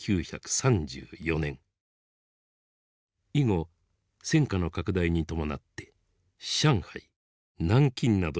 以後戦火の拡大に伴って上海南京などに従軍。